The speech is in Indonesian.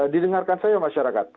didengarkan saya masyarakat